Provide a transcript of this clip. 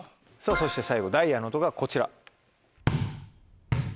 そして最後ダイヤの音がこちら。